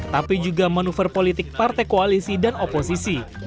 tapi juga manuver politik partai koalisi dan oposisi